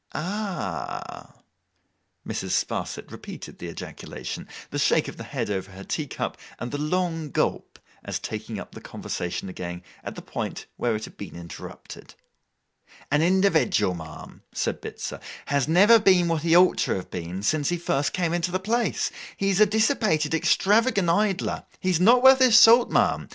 'Ah—h!' Mrs. Sparsit repeated the ejaculation, the shake of the head over her tea cup, and the long gulp, as taking up the conversation again at the point where it had been interrupted. 'An individual, ma'am,' said Bitzer, 'has never been what he ought to have been, since he first came into the place. He is a dissipated, extravagant idler. He is not worth his salt, ma'am.